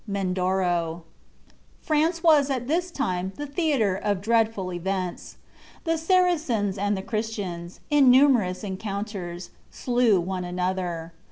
MEDORO France was at this time the theatre of dreadful events. The Saracens and the Christians, in numerous encounters, slew one another.